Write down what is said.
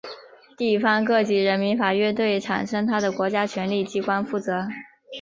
地方各级人民法院对产生它的国家权力机关负责。